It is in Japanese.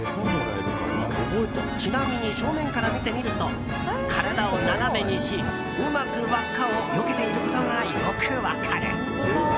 ちなみに、正面から見てみると体を斜めにしうまく輪っかをよけていることがよく分かる。